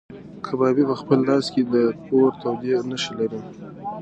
کبابي په خپلو لاسو کې د اور تودې نښې لرلې.